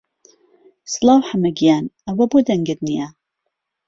سڵاو حەمە گیان، ئەوە بۆ دەنگت نییە؟